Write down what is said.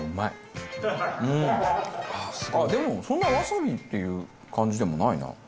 あっでもそんなわさびっていう感じでもないな。